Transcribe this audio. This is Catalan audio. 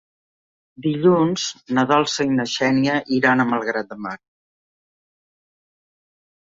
Dilluns na Dolça i na Xènia iran a Malgrat de Mar.